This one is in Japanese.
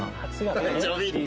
ちょびっと。